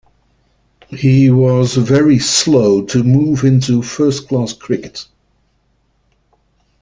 He was very slow to move into first-class cricket.